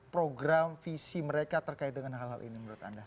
program visi mereka terkait dengan hal hal ini menurut anda